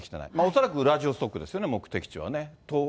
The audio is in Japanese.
恐らくウラジオストクですよね、目的地はね。